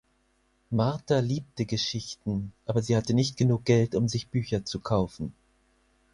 Martha liebte Geschichten, aber sie hatte nicht genug Geld, um sich Bücher zu kaufen.